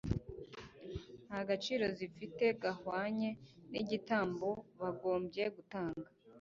nta gaciro zifite gahwanye n'igitambo bagombye gutanga;